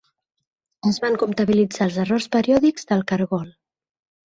Es van comptabilitzar els errors periòdics del cargol.